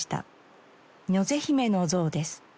如是姫の像です。